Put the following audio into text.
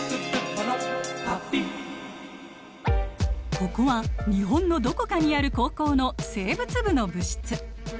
ここは日本のどこかにある高校の生物部の部室。